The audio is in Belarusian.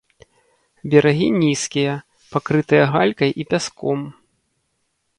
Берагі нізкія, пакрытыя галькай і пяском.